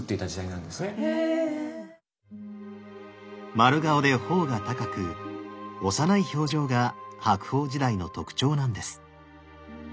丸顔で頬が高く幼い表情が白鳳時代の特徴なんです。